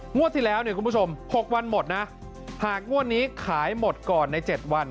งวดที่แล้ว๖วันหมดหากงวดนี้ขายหมดก่อนใน๗วัน